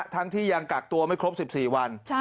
ทั้งที่ยังกักตัวไม่ครบ๑๔วัน